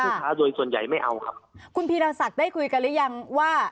สุดท้ายโดยส่วนใหญ่ไม่เอาครับคุณพีรศักดิ์ได้คุยกันหรือยังว่า